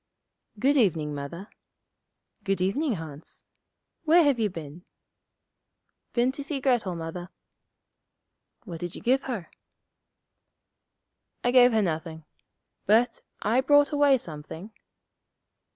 'Good evening, Mother.' 'Good evening, Hans. Where have you been?' 'Been to see Grettel, Mother.' 'What did you give her?' 'I gave her nothing. But I brought away something.'